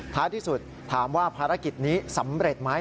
ท้ายที่สุดถามว่าภารกิจนี้สำเร็จไหม